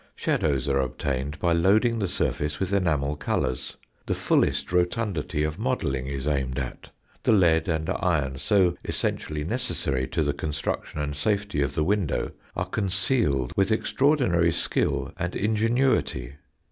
Shadows are obtained by loading the surface with enamel colours; the fullest rotundity of modelling is aimed at; the lead and iron so essentially necessary to the construction and safety of the window are concealed with extraordinary skill and ingenuity.